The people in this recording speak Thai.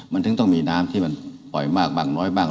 มันต้องมีน้ำที่มันป่อยมากบันร้อยบ้าง